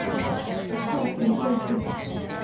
西南交通大学教授。